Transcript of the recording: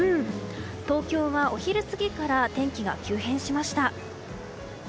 東京はお昼過ぎから天気が急変しました。